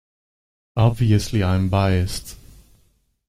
Obviously I’m biased.